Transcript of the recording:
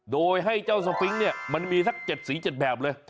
โดยให้เจ้าสฟิงมันมีสัก๗สี๗แบบเลย